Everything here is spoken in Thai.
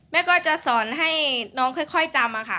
แม่ก็จะสอนให้น้องค่อยจำค่ะ